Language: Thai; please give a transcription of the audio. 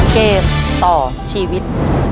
เกมต่อชีวิต